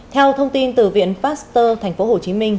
theo thông tin từ viện pasteur tp hcm